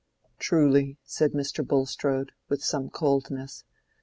"Truly," said Mr. Bulstrode, with some coldness.